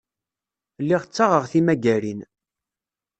Lliɣ ttaɣeɣ timagarin.